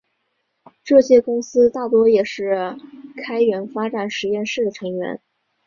这些公司大多也是开源发展实验室的成员。